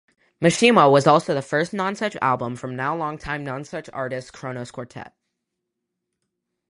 "Mishima" was also the first Nonesuch album from now longtime Nonesuch artists Kronos Quartet.